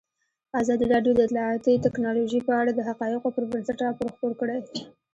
ازادي راډیو د اطلاعاتی تکنالوژي په اړه د حقایقو پر بنسټ راپور خپور کړی.